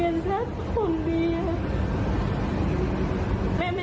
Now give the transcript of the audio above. แม่ไม่ได้คิดถึงขนาดว่าจะมีเพื่อนคนไหนมาโยนลูกแม่ลงไป